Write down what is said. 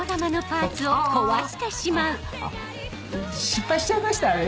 失敗しちゃいましたね。